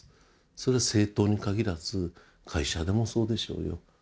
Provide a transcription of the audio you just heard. それは政党に限らず会社でもそうでしょうよ